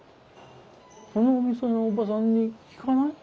そのお店のおばさんに聞かない？